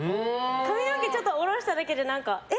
髪の毛をちょっと下ろしただけでえ？